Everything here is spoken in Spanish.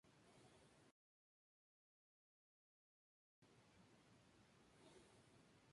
Siendo niño, sus padres lo inscribieron en clases de pintura con Manuel Tapia.